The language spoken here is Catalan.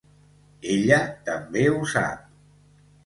Ella també ho sap!